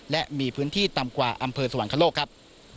และมีพื้นที่ต่ำกว่าอำเภอสวรรคโลกครับ